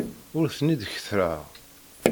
Ur ten-id-kettreɣ.